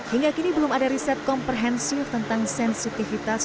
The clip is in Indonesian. hingga kini belum ada riset komprehensif tentang sensitivitas